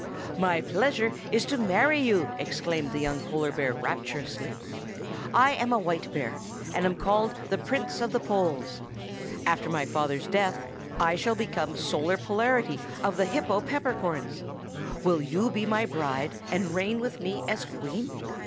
"My pleasure is to marry you!" exclaimed the young bear rapturously. "I am a white bear, and am called the Prince of the Poles. After my father's death I shall become Solar Polarity of the Hypopeppercorns. Will you be my bride, and reign with me as queen?